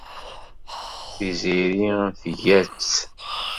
Tiziri tga-tt.